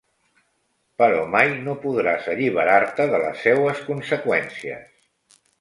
Però mai no podràs alliberar-te de les seues conseqüències.